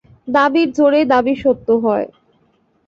দাবির জোরেই দাবি সত্য হয়।